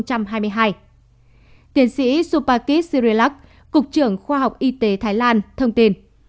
tiến sĩ supakit sirilak cục trưởng khoa học y tế thái lan thông tin